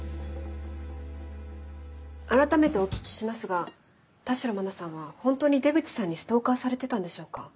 改めてお聞きしますが田代真菜さんは本当に出口さんにストーカーされてたんでしょうか？